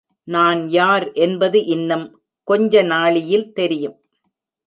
நான் யார் என்பது இன்னும் கொஞ்ச நாழியில் தெரியும்.